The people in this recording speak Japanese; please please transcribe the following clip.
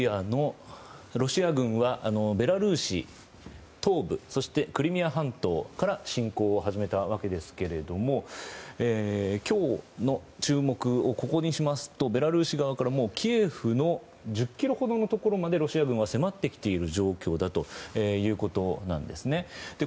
昨日、ロシア軍はベラルーシ東部そしてクリミア半島から侵攻を始めたわけですけど今日の注目をここにしますとベラルーシ側からキエフの１０ｋｍほどのところまでロシア軍は迫ってきている状況だということなんです。